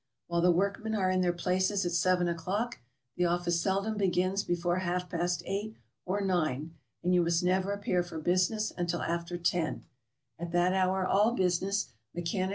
While the workmen are i n their places at 7 o'clock, the office seldom begins before half past 8 or 9; and you must never appear for business until after 10. At that hour all business, mechanica